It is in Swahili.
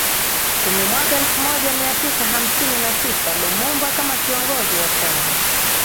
kumi mwaka elfu moja mia tisa hamsini na tisa Lumumba kama kiongozi wa chama